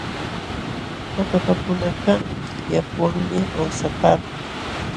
Akapakunakaq yakuwanmi awsapaaku.